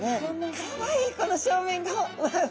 かわいいこの正面顔！